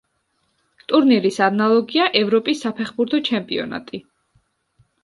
ტურნირის ანალოგია ევროპის საფეხბურთო ჩემპიონატი.